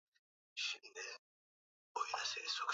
wananchi wanaweza wakahusika katika kutunza vyanzo vya maji